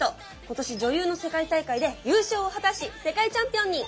今年女流の世界大会で優勝を果たし世界チャンピオンに！